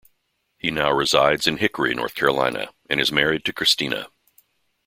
He now resides in Hickory, North Carolina, and is married to Christina.